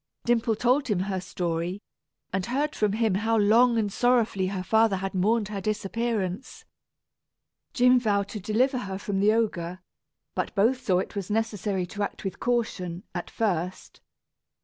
Dimple told him her story, and heard from him how long and sorrowfully her father had mourned her disappearance. Jim vowed to deliver her from the ogre; but both saw it was necessary to act with caution, at first.